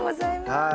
はい。